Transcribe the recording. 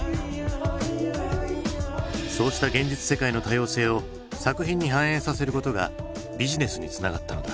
そうした現実世界の多様性を作品に反映させることがビジネスにつながったのだ。